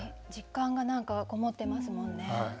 実感が何かこもってますもんね。